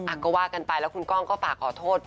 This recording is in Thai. ก็ว่ากันไปแล้วคุณก้องก็ฝากขอโทษ